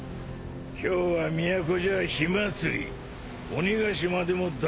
今日は都じゃ火祭り鬼ヶ島でも大宴会って日だ。